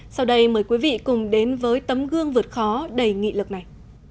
sau đây mời quý vị cùng đến với tấm gương vượt khó đầy nghị lực này